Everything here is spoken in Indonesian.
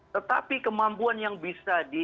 tetapi kemampuan yang bisa di